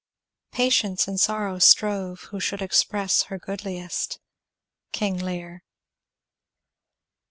Patience and sorrow strove Who should express her goodliest. King Lear.